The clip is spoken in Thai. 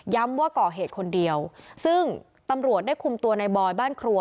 ว่าก่อเหตุคนเดียวซึ่งตำรวจได้คุมตัวในบอยบ้านครัว